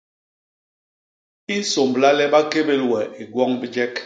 I nsômbla le ba kébél we i gwoñ bijek.